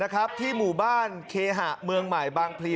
ที่หมู่บ้านเคหะเมืองใหม่บางพลี